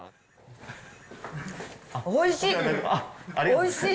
おいしい。